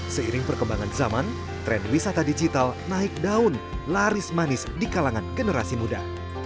seiring perkembangan zaman tren wisata digital naik daun laris manis di kalangan generasi muda